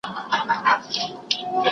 ځينې خوبونه رښتيا کيږي.